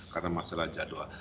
karena masalah jadwal